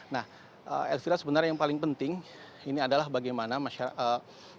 nah elvira sebenarnya yang paling penting ini adalah bagaimana masyarakat